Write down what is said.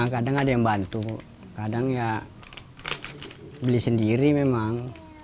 kadang ada yang bantu kadang ya beli sendiri memang